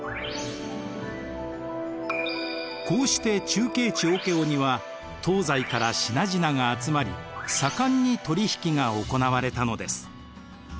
こうして中継地オケオには東西から品々が集まり盛んに取り引きが行われたのです。